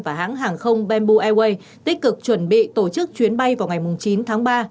và hãng hàng không bamboo airways tích cực chuẩn bị tổ chức chuyến bay vào ngày chín tháng ba